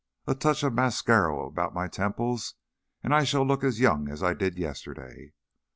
A touch of mascaro about my temples and I shall look as young as I did yesterday.